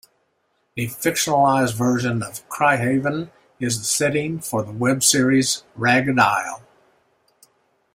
A fictionalized version of Criehaven is the setting for the web series Ragged Isle.